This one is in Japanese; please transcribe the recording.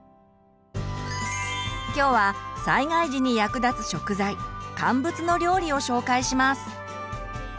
今日は災害時に役立つ食材乾物の料理を紹介します。